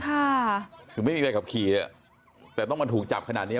ถ้าไม่มีอะไรกับขี่เนี่ยแต่ต้องมาถูกจับขนาดนี้